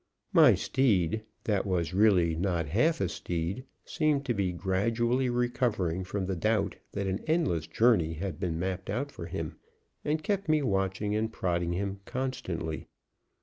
My steed, that was really not half a steed, seemed to be gradually recovering from the doubt that an endless journey had been mapped out for him, and kept me watching and prodding him constantly.